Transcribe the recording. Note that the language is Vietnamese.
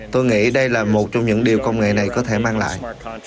tôi nghĩ đây là một trong những điều công nghệ này có thể mang lại